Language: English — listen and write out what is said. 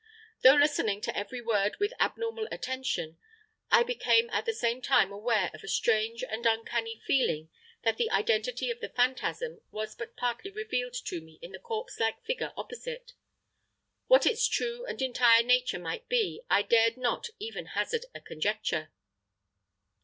Though listening to every word with abnormal attention, I became at the same time aware of a strange and uncanny feeling that the identity of the phantasm was but partly revealed to me in the corpse like figure opposite; what its true and entire nature might be I dared not even hazard a conjecture.